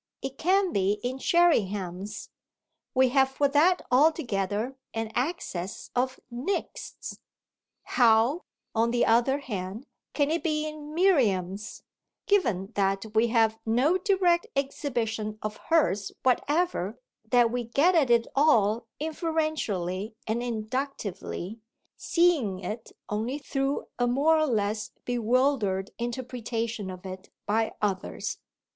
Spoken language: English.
It can't be in Sherringham's we have for that altogether an excess of Nick's. How, on the other hand, can it be in Miriam's, given that we have no direct exhibition of hers whatever, that we get at it all inferentially and inductively, seeing it only through a more or less bewildered interpretation of it by others.